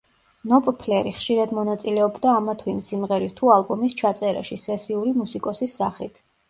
ნოპფლერი ხშირად მონაწილეობდა ამა თუ იმ სიმღერის თუ ალბომის ჩაწერაში სესიური მუსიკოსის სახით.